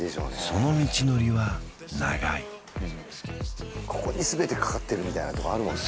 その道のりは長いここに全てかかってるみたいなとこあるもんね